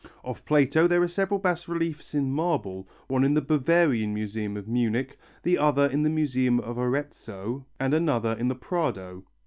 Of Plato there are several bas reliefs in marble, one in the Bavarian Museum of Munich, another in the Museum of Arezzo, and another in the Prado.